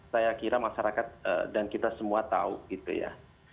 saya kira masyarakat dan kita semua tahu gitu ya